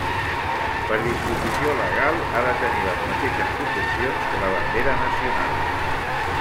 Per disposició legal, ha de tenir les mateixes proporcions que la bandera nacional.